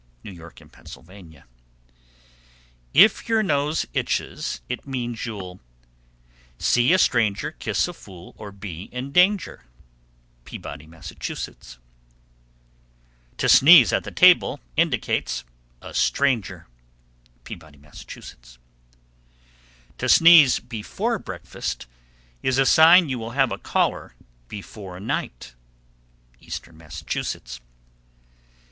New York and Pennsylvania. 784. If your nose itches, it means you'll See a stranger, Kiss a fool, Or be in danger. Peabody, Mass. 785. To sneeze at the table indicates a stranger. Peabody, Mass. 786. To sneeze before breakfast is a sign you will have a caller before night. _Eastern Massachusetts.